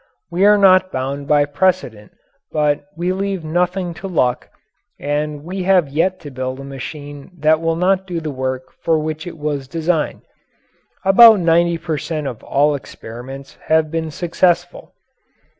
We are not bound by precedent but we leave nothing to luck, and we have yet to build a machine that will not do the work for which it was designed. About ninety per cent. of all experiments have been successful.